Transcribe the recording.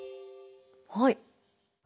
はい。